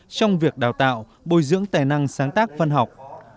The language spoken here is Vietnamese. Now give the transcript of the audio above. trong việc đào tạo bồi dưỡng tài năng sáng tác văn học